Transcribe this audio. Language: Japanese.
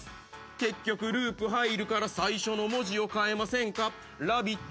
結局ループ入るから最初の文字を変えませんか「ラヴィット！」